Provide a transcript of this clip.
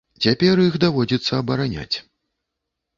Цяпер іх даводзіцца абараняць.